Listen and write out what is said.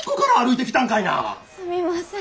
すみません。